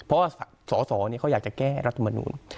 เพราะว่าสสเนี่ยเขาอยากจะแก้รัฐมนุษย์